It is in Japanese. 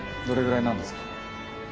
どれぐらいなんですか？